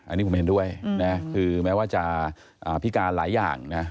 อันนี้ผมเห็นด้วยนะคือแม้ว่าจะพิการหลายอย่างนะ